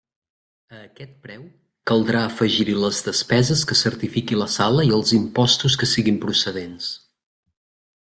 A aquest preu, caldrà afegir-hi les despeses que certifiqui la sala i els impostos que siguin procedents.